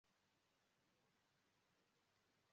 uruhare bose mu isohoka ry iyo nyandiko cyangwa